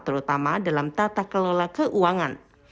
terutama dalam tata kelola keuangan